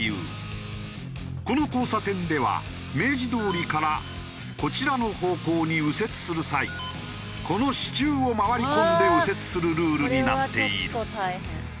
この交差点では明治通りからこちらの方向に右折する際この支柱を回り込んで右折するルールになっている。